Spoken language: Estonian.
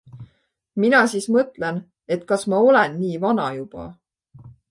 Mina siis mõtlen, et kas ma olen nii vana juba?